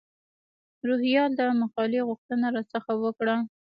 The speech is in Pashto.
روهیال د مقالې غوښتنه را څخه وکړه.